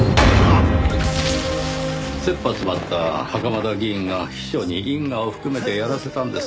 切羽詰まった袴田議員が秘書に因果を含めてやらせたんです。